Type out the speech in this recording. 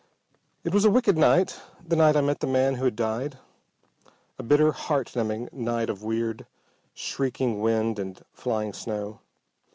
It was a wicked night, the night I met the man who had died. A bitter, heart numbing night of weird, shrieking wind and flying snow.